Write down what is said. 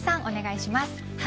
お願いします。